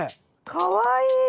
かわいい！